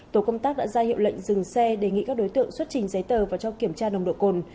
tổ công tác đã ra hiệu lệnh dừng xe đề nghị các đối tượng xuất trình giấy tờ và cho kiểm tra nồng độ cồn